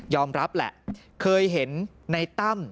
รับแหละเคยเห็นในตั้ม